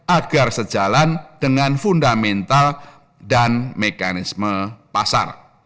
agar sejalan dengan fundamental dan mekanisme pasar